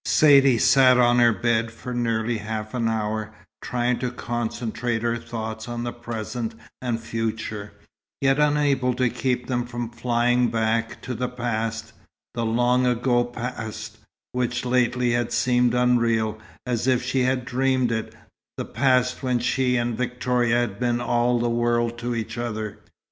Saidee sat on her bed for nearly half an hour, trying to concentrate her thoughts on the present and future, yet unable to keep them from flying back to the past, the long ago past, which lately had seemed unreal, as if she had dreamed it; the past when she and Victoria had been all the world to each other.